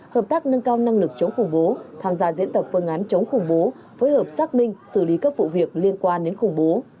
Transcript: hợp tác nâng cao năng lực chống khủng bố tham gia diễn tập phương án chống khủng bố phối hợp xác minh xử lý các vụ việc liên quan đến khủng bố